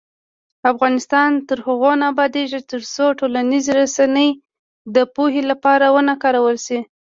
افغانستان تر هغو نه ابادیږي، ترڅو ټولنیزې رسنۍ د پوهې لپاره ونه کارول شي.